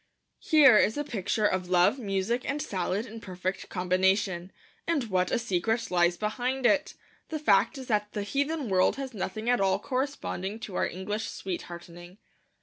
Here is a picture of Love, Music, and Salad in perfect combination. And what a secret lies behind it! The fact is that the heathen world has nothing at all corresponding to our English sweethearting.